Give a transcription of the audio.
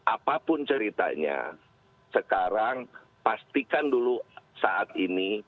apapun ceritanya sekarang pastikan dulu saat ini